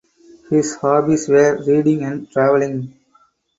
His hobbies were reading and travelling.